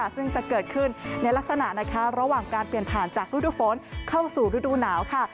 ซึ่งจะเกิดขึ้นในลักษณะนะคะระหว่างการเปลี่ยนผ่านจากฤดูฝนเข้าสู่ฤดูหนาวค่ะ